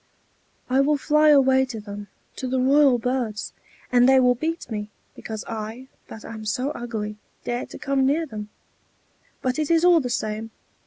"I will fly away to them, to the royal birds! and they will beat me, because I, that am so ugly, dare to come near them. But it is all the same.